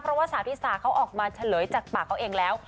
เพราะว่าสาวธิสาเขาออกมาเฉลยจากปากเขาเองแล้ว